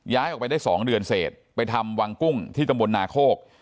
ย้ายออกไปได้สองเดือนเศษไปทำวังกุ้งที่ตมนต์นาโคก